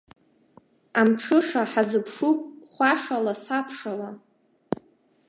Амҽыша ҳазыԥшуп хәашала, сабшала.